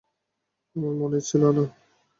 আমার মনেই ছিল না।